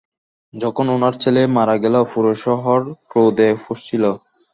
যখন উনার ছেলে মারা গেল, পুরো শহর ক্রোধে ফুঁসছিল।